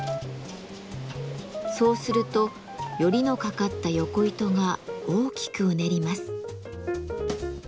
そうするとヨリのかかったヨコ糸が大きくうねります。